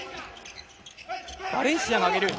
バレンシアが上げる。